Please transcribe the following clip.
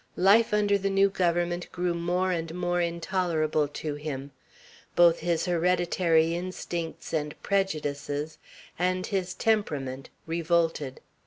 Life under the new government grew more and more intolerable to him; both his hereditary instincts and prejudices, and his temperament, revolted.